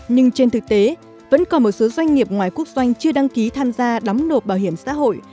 nhưng trên thực tế vẫn còn một số doanh nghiệp ngoài quốc doanh chưa đăng ký tham gia đóng nộp bảo hiểm xã hội